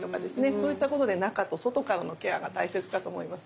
そういったことで中と外からのケアが大切かと思います。